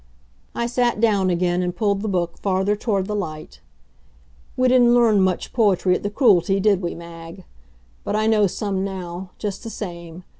I sat down again and pulled the book farther toward the light. We didn't learn much poetry at the Cruelty, did we, Mag? But I know some now, just the same.